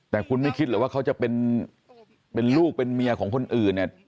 แต่คุณไม่คิดหรอกว่าเขาจะเป็นลูกเป็นเมียของคนอื่นเนี่ย